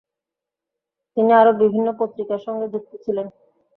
তিনি আরও বিভিন্ন পত্রিকার সঙ্গে যুক্ত ছিলেন।